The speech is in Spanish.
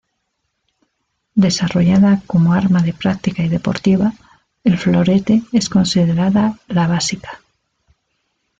Desarrollada como arma de práctica y deportiva, el florete es considerada la básica.